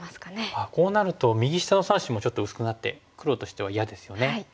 ああこうなると右下の３子もちょっと薄くなって黒としては嫌ですよね。